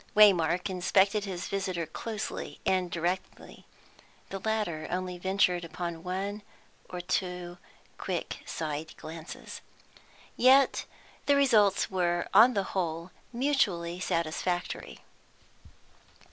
Waymark inspected his visitor closely and directly; the latter only ventured upon one or two quick side glances. Yet the results were, on the whole, mutually satisfactory.